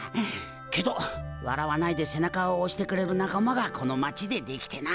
けど笑わないで背中をおしてくれる仲間がこの町でできてな。